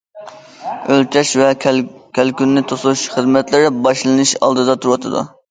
ئۆلچەش ۋە كەلكۈننى توسۇش خىزمەتلىرى باشلىنىش ئالدىدا تۇرۇۋاتىدۇ.